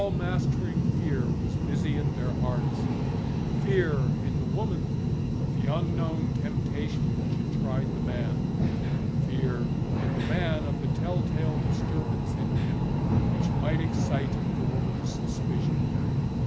All mastering fear was busy at their hearts; fear, in the woman, of the unknown temptation which had tried the man; fear, in the man, of the tell tale disturbance in him, which might excite the woman's suspicion.